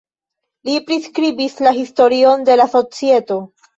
Li priskribis la historion de la societo.